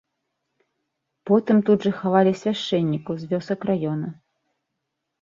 Потым тут жа хавалі свяшчэннікаў з вёсак раёна.